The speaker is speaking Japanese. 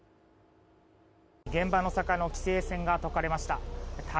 現場の坂の規制線が解かれました。